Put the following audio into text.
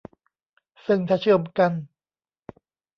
ซึ่งถ้าเชื่อมกัน